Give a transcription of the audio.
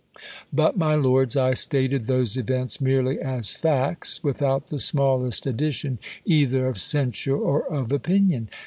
But, my lords, I stated those events merely as facts, without the smallest addition either of censure or of opinion.